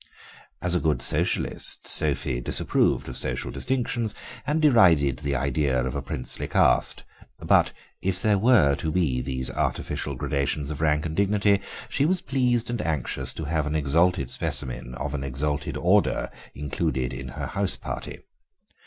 As a good Socialist, Sophie disapproved of social distinctions, and derided the idea of a princely caste, but if there were to be these artificial gradations of rank and dignity she was pleased and anxious to have an exalted specimen of an exalted order included in her house party.